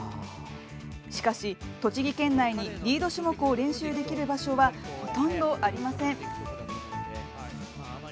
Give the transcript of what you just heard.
しかし、栃木県内にリード種目を練習できる場所はほとんどありません。